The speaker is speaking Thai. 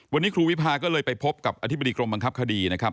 วันนี้ครูวิพาก็เลยไปพบกับอธิบดีกรมบังคับคดีนะครับ